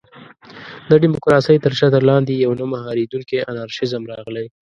د ډیموکراسۍ تر چتر لاندې یو نه مهارېدونکی انارشېزم راغلی.